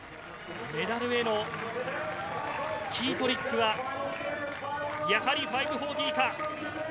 メダルへのキートリックはやはり５４０か。